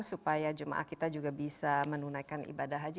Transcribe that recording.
supaya jemaah kita juga bisa menunaikan ibadah haji